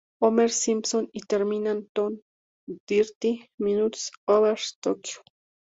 Homer Simpson" y terminan con "Thirty Minutes Over Tokyo".